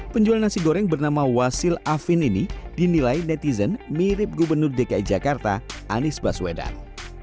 penjual nasi goreng bernama wasil afin ini dinilai netizen mirip gubernur dki jakarta anies baswedan